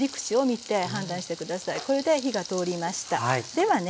ではね